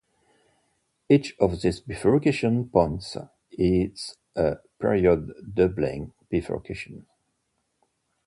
Each of these bifurcation points is a period-doubling bifurcation.